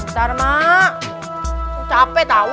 ntar mak capek tau